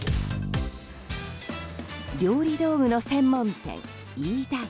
料理道具の専門店、飯田屋。